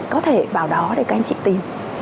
có thể bảo đó để các anh chị tìm